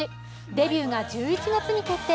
デビューが１１月に決定。